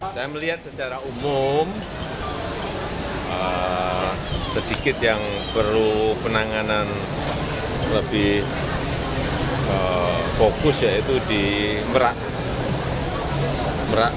saya melihat secara umum sedikit yang perlu penanganan lebih fokus yaitu di merak